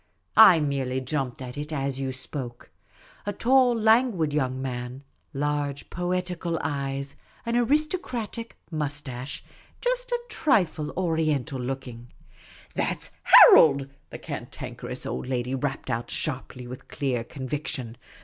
I merely jumped at it as you spoke. A tall, languid young man ; large, poetical eyes ; an artistic moustache— just a trifle Oriental looking." " That 's Harold !" the Cantankerous Old Lady rapped out sharply, with clear conviction.